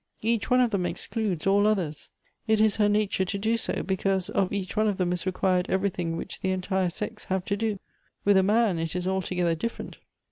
Each one of them excludes all others. It is her nature to do so ; because of each one of them is required every thing which the entire sex have to do. With a man it is altogether different.